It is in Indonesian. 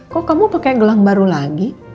kok kamu pakai gelang baru lagi